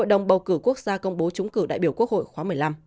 hội đồng bầu cử quốc gia công bố chúng cử đại biểu quốc hội khoá một mươi năm